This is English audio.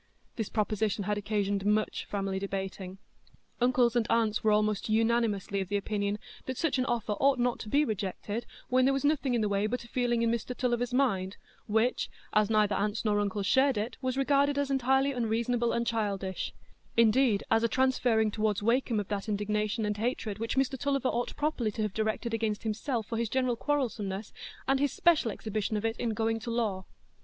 This proposition had occasioned much family debating. Uncles and aunts were almost unanimously of opinion that such an offer ought not to be rejected when there was nothing in the way but a feeling in Mr Tulliver's mind, which, as neither aunts nor uncles shared it, was regarded as entirely unreasonable and childish,—indeed, as a transferring toward Wakem of that indignation and hatred which Mr Tulliver ought properly to have directed against himself for his general quarrelsomeness, and his special exhibition of it in going to law.